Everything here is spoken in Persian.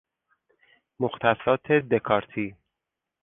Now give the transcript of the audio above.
مختصات دکارتی